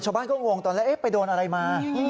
ชาวบ้านก็งงตอนแรกไปโดนอะไรมา